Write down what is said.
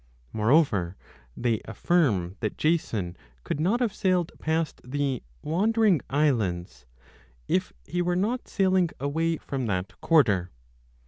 Moreover they affirm that Jason could not have sailed past the Wander 20 ing Islands , if he were not sailing away from that quarter.